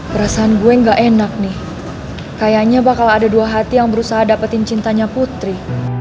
perasaan gue gak enak nih kayaknya bakal ada dua hati yang berusaha dapetin cintanya putri